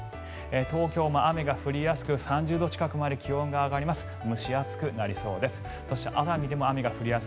東京も雨が降りやすく３０度近くまで気温が上がります。